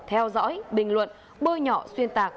theo dõi bình luận bơi nhỏ xuyên tạc